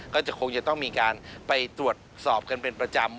ก็จะคงจะต้องมีการไปตรวจสอบกันเป็นประจำ